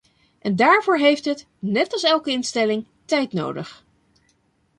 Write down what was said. En daarvoor heeft het, net als elke instelling, tijd nodig.